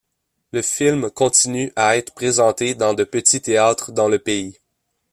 Le film continue à être présenté dans de petits théâtres dans le pays.